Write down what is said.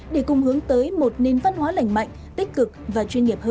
để cùng hướng tới một nền văn hóa lành mạnh tích cực và chuyên nghiệp hơn